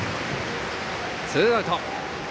ツーアウト。